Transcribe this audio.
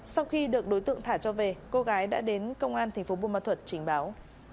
sau khi được đối tượng thả cho về cô gái đã đến công an thành phố buôn ma thuật trình báo